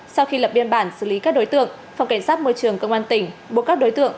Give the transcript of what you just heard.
sau khi lập biên bản xử lý các đối tượng phòng cảnh sát môi trường công an tỉnh buộc các đối tượng